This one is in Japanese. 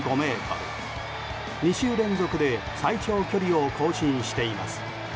２週連続で最長距離を更新しています。